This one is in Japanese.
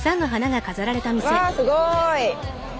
わすごい。